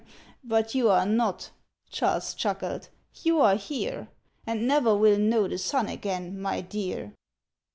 "But you are not," Charles chuckled. "You are here, And never will know the sun again, my dear!"